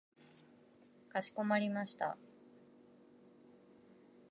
かしこまりました。